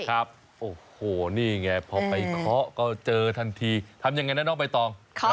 ครับโอ้โหนี่ไงพอไปเคาะก็เจอทันทีทำยังไงนะน้องใบตอง